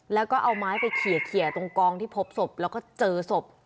แล้วก็เอาไม้ไปเขียตรงกองที่พบศพแล้วก็เจอศพ